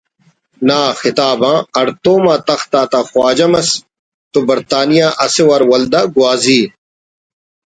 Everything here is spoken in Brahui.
نا خطاب آن ہڑتوم آ تخت آتا خواجہ مس تو برطانیہ اسہ وار ولدا گوازی